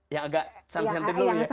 yang agak santai santai dulu ya